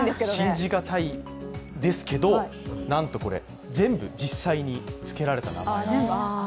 信じ難いですけどなんと、全部実際に付けられた名前なんです。